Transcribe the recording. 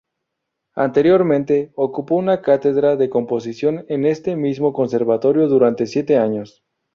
Anteriormente, ocupó una cátedra de composición en este mismo conservatorio durante siete años.